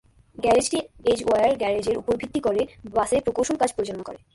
গ্যারেজটি এজওয়্যার গ্যারেজের উপর ভিত্তি করে বাসে প্রকৌশল কাজ পরিচালনা করে।